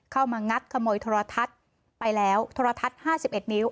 เข้ามางัดขโมยทรทัศน์ไปแล้วทรทัศน์ห้าสิบเอ็ดนิ้ว